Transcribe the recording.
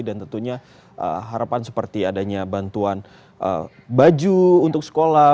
dan tentunya harapan seperti adanya bantuan baju untuk sekolah